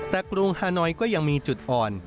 แต่กรุงฮานอยก็ยังมีจุดอ่อน